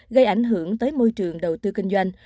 gây ảnh hưởng tới môi trường đầu tư kinh doanh